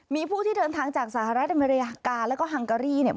มีผู้ที่เดินทางจากสหรัฐอเมริกาแล้วก็ฮังการีเนี่ย